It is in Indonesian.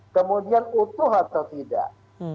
kemudian utuh atau tidak